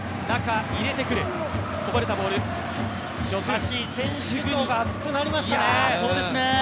しかし、選手層が厚くなりましたね。